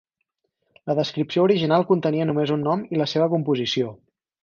La descripció original contenia només un nom i la seva composició.